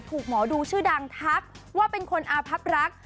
หมอดูชื่อดังทักว่าเป็นคนอาพับรัก